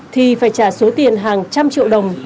thì phải trả số tiền hàng trăm triệu đồng